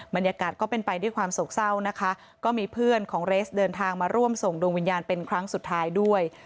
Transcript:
บรรยากาศก็เป็นไปด้วยความโศกเศร้านะคะก็มีเพื่อนของเรสเดินทางมาร่วมส่งดวงวิญญาณเป็นครั้งสุดท้ายด้วย